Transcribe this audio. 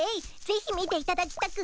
ぜひ見ていただきたく。